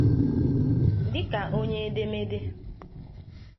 Dịka onye edemede